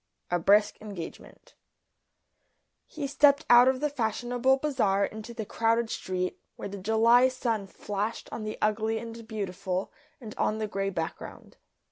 A BRISK ENGAGEMENT He stepped out of the fashionable bazaar into the crowded street, where the July sun flashed on the ugly and beautiful and on the grey background.